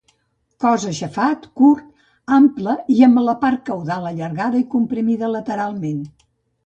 Cos aixafat, curt, ample i amb la part caudal allargada i comprimida lateralment.